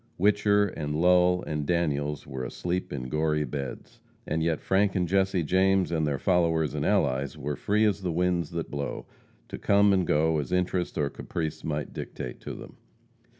Whicher and Lull and Daniels were asleep in gory beds. And yet Frank and Jesse James, and their followers and allies, were free as the winds that blow, to come and go as interest or caprice might dictate to them.